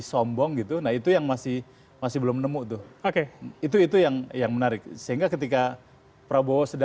sombong gitu nah itu yang masih masih belum nemu tuh oke itu itu yang yang menarik sehingga ketika prabowo sudah